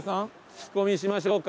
聞き込みしましょうか。